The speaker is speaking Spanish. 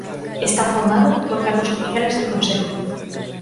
Está formado por cargos oficiales del Consejo.